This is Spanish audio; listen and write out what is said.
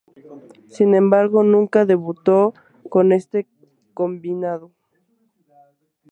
Sin embargo, nunca debutó con este combinado.